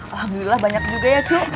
alhamdulillah banyak juga ya cok